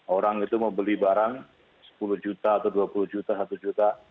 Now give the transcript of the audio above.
orang itu mau beli barang sepuluh juta atau dua puluh juta satu juta